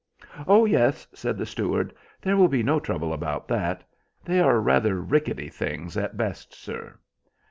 "Oh yes," said the steward, "there will be no trouble about that. They are rather rickety things at best, sir."